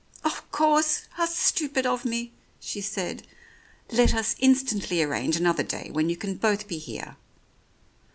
"Of course ! How stupid of me," she said. "Let us instantly arrange another day when you can both be here.